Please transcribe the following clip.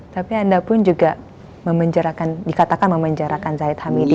tapi anda pun juga dikatakan memenjarakan zahid hamidi